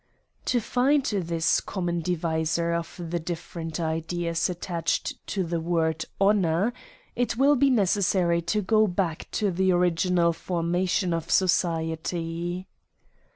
To find this common divisor of the different ideas attached to the word honour, it will be necessary to go back to the original formation of society.